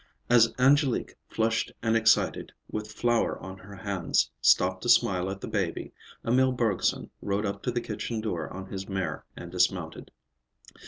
As Angélique, flushed and excited, with flour on her hands, stopped to smile at the baby, Emil Bergson rode up to the kitchen door on his mare and dismounted.